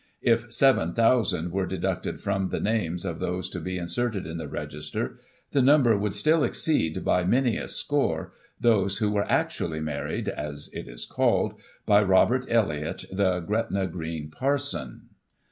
If 7,000 were deducted from the names of those to be inserted in the ' Register,' the number would still exceed, by many a score, those who were actually 'mar ried,' as it is called, by ' Robert Elliott, the Gretna Green Parson.'"